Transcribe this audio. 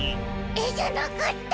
えじゃなかった！